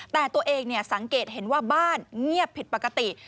แต่ตัวเองสังเกตเห็นว่าบ้านเงียบผิดปกติ